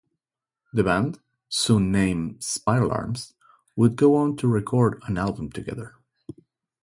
The band, soon named Spiralarms, would go on to record an album together.